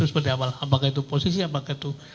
seperti apa apakah itu posisi apakah itu